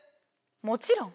「もちろん」。